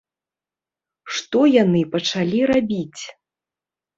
Што яны пачалі рабіць?